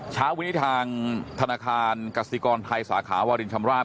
ชะวินิทางธนาคารกัศยิกรไทยสาขาหว่าดินชำราบ